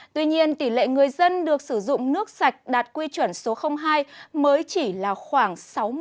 tuy nhiên tỷ lệ người dân được sử dụng nước sạch đạt quy chuẩn số hai mới chỉ là khoảng sáu mươi